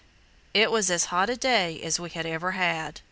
It was as hot a day as we had ever had.